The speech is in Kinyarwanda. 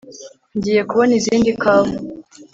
ngiye kubona izindi kawa